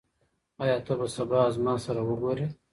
آيا ته به سبا له ما سره وګورې؟